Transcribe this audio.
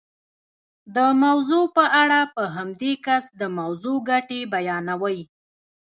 د موضوع په اړه په همدې کس د موضوع ګټې بیانوئ.